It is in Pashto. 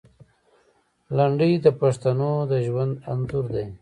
لنډۍ د پښتنو د ژوند انځور دی.